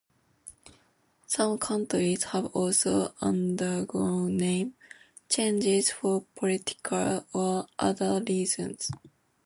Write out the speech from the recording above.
Some countries have also undergone name changes for political or other reasons.